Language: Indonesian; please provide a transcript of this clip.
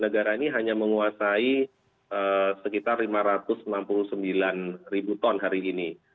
negara ini hanya menguasai sekitar lima ratus enam puluh sembilan ribu ton hari ini